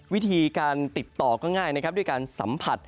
วิธีการติดต่อก็ง่ายนะครับด้วยการสัมผัส